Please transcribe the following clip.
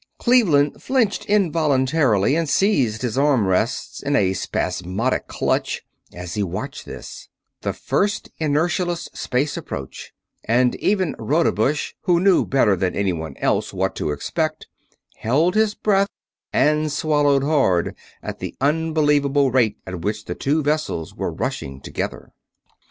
Cleveland flinched involuntarily and seized his arm rests in a spasmodic clutch as he watched this, the first inertialess space approach; and even Rodebush, who knew better than anyone else what to expect, held his breath and swallowed hard at the unbelievable rate at which the two vessels were rushing together.